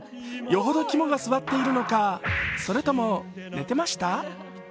よほど肝が据わっているのか、それとも寝てました？